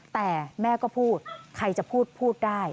แต่แม่ก็พูดใครจะพูดพูดได้